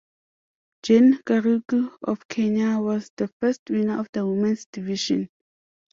Jane Kariuki of Kenya was the first winner of the women's division.